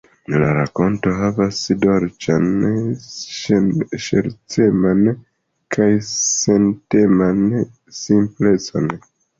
La rakonto havas dolĉan, ŝerceman kaj senteman simplecon.